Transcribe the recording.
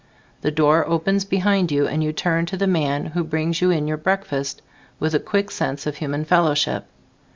The door opens behind you and you turn to the man who brings you in your breakfast with a quick sense of human fellowship.